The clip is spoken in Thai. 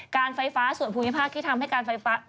การไฟฟ้าส่วนภูมิภาคที่ทำให้การไฟฟ้า